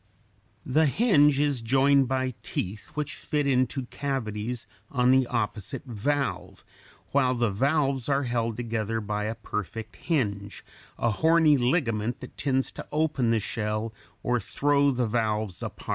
The hinge is joined by teeth (c, d, d,) which fit into cavities on the opposite valve, while the valves are held together by a perfect hinge, a horny ligament (h) that tends to open the shell or throw the valves apart.